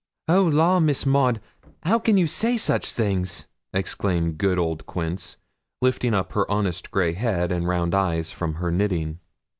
'Oh, law, Miss Maud, how can you say such things!' exclaimed good old Quince, lifting up her honest grey head and round eyes from her knitting.